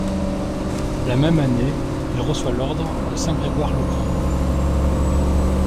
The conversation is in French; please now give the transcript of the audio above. La même année, il reçoit l'ordre de Saint-Grégoire-le-Grand.